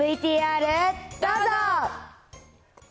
ＶＴＲどうぞ。